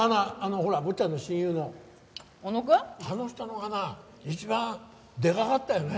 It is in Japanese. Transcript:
あの人のお花一番でかかったよね。